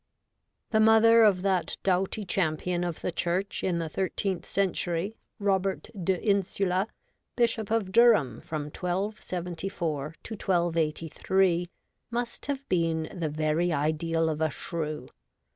The mother of that doughty champion of the Church in the thirteenth century, Robert de Insula, Bishop of Durham from 1274 to 1283, must have been the very ideal of a shrew.